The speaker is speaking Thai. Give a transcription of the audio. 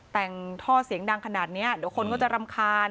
แต่งท่อเสียงดังขนาดนี้เดี๋ยวคนก็จะรำคาญ